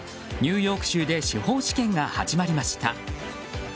ニューヨーク州で司法試験が始まりました。